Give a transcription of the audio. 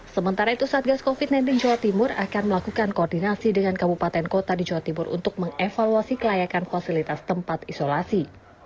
sementara itu satgas covid sembilan belas jawa timur akan melakukan koordinasi dengan kabupaten kota di jawa timur untuk mengevaluasi kelayakan fasilitas tempat isolasi